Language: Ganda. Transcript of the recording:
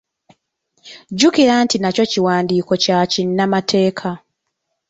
Jjukira nti nakyo kiwandiiko kya kinnamateeka.